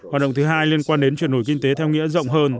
hoạt động thứ hai liên quan đến chuyển đổi kinh tế theo nghĩa rộng hơn